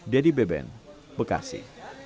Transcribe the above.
dedy beben bekasi